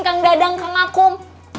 kang dadang kang akum